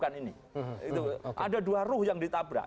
ada dua ruh yang ditabrak